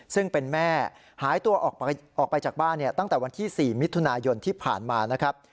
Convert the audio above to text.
ซึ่งเป็นแม่หายตัวออกไปจากบ้านตั้งแต่วันที่๔มิถุนายนที่ผ่านมานะครับ